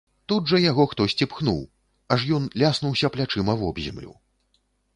Тут жа яго хтосьці пхнуў, аж ён ляснуўся плячыма вобземлю.